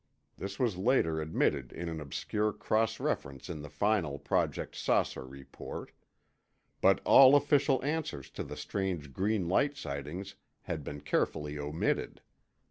(This was later admitted in an obscure cross reference in the final Project "Saucer" report. But all official answers to the strange green light sightings had been carefully omitted.